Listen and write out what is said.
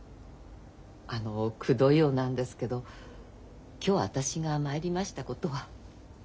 あのくどいようなんですけど今日私が参りましたことは。